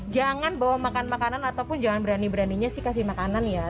jangan bawa makan makanan ataupun jangan berani beraninya sih kasih makanan ya